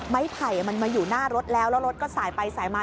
ไผ่มันมาอยู่หน้ารถแล้วแล้วรถก็สายไปสายมา